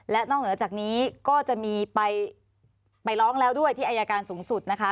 และนอกเหนือจากนี้ก็จะมีไปร้องแล้วด้วยที่อายการสูงสุดนะคะ